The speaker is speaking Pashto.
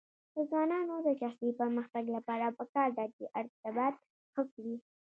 د ځوانانو د شخصي پرمختګ لپاره پکار ده چې ارتباط ښه کړي.